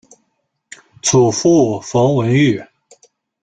祖父冯文玉。